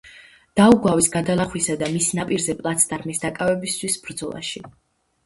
დაუგავის გადალახვისა და მის ნაპირზე პლაცდარმის დაკავებისათვის ბრძოლებში.